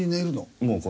もうこの。